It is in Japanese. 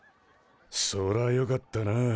そらよかったなあ。